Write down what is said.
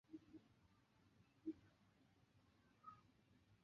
其作品多集中于动画游戏领域。